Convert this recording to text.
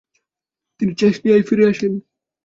তিনি চেচনিয়ায় ফিরে আসেন।